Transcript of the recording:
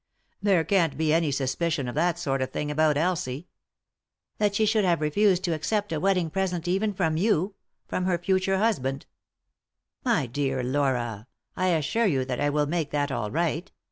There can't be any suspicion of that sort of thing about Elsie." " That she should have refused to accept a wedding present even from you 1 — from her future husband 1 "" My dear Laura, I assure you that I will make that all right.